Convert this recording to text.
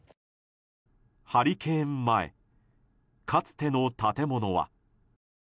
ハリケーン前かつての建物は。